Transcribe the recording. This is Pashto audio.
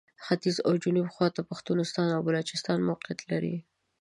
ختیځ او جنوب خواته پښتونستان او بلوچستان موقعیت لري.